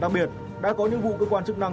đặc biệt đã có những vụ cơ quan chức năng